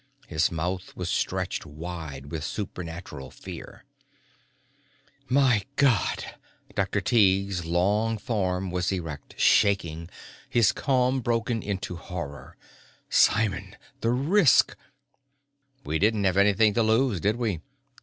His mouth was stretched wide with supernatural fear. "My God!" Dr. Tighe's long form was erect, shaking, his calm broken into horror. "Simon, the risk...." "We didn't have anything to lose, did we?"